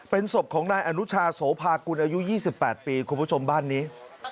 เป็นศพของนายอนุชาโสพากุณอายุยี่สิบแปดปีคุณผู้ชมบ้านนี้